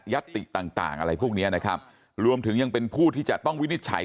ติต่างต่างอะไรพวกเนี้ยนะครับรวมถึงยังเป็นผู้ที่จะต้องวินิจฉัย